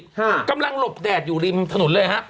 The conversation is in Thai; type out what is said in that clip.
ค่ะคำแลงหลบแดดอยู่ริมถนนเลยครับ